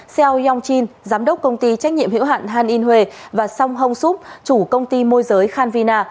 seo yong jin giám đốc công ty trách nhiệm hiệu hạn hàn yên huê và song hong sup chủ công ty môi giới khanvina